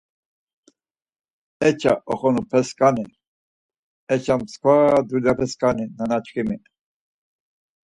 Eça oxenupesǩani, eça msǩva dulyapesǩani, nanaşǩimi.